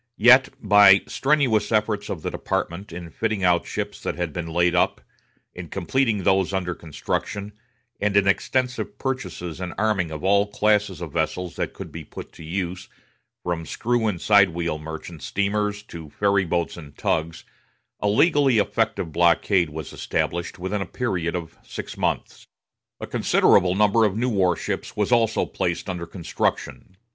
Yet by the strenuous efforts of the department in fitting out ships that had been laid up, in completing those under construction, and in extensive purchases and arming of all classes of vessels that could be put to use, from screw and side wheel merchant steamers to ferry boats and tugs, a legally effective blockade was established within a period of six months. A considerable number of new war ships was also immediately placed under construction.